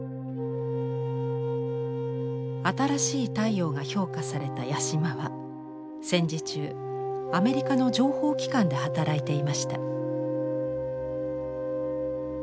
「あたらしい太陽」が評価された八島は戦時中アメリカの情報機関で働いていました。